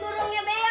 burungnya pak gino